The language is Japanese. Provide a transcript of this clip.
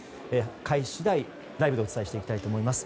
開始次第ライブでお伝えしていきたいと思います。